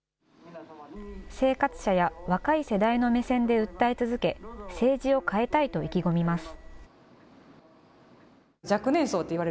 生活者や若い世代の目線で訴え続け、政治を変えたいと意気込みます。